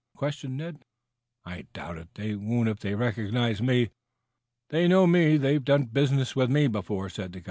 questioned Ned. "I doubt it. They won't if they recognized me. They know me. They've done business with me before."